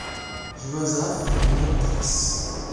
Joasaph est né en Thrace.